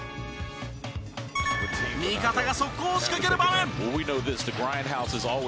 味方が速攻を仕掛ける場面。